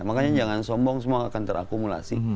makanya jangan sombong semua akan terakumulasi